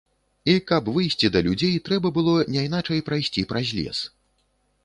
І каб выйсці да людзей, трэба было няйначай прайсці праз лес.